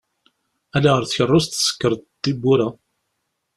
Ali ɣer tkeṛṛust tsekkreḍ-d tiwwura.